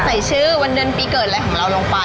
ใส่ชื่อวันเดือนปีเกิดอะไรของเราลงไป